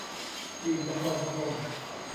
ทีมนครพนม